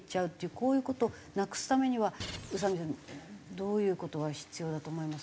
こういう事をなくすためには宇佐美さんどういう事が必要だと思いますか？